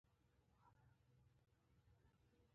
علم د نسلونو ترمنځ تفاهم رامنځته کوي.